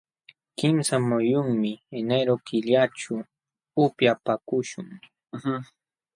Kimsa muyunmi enero killaćhu upyapaakuśhun.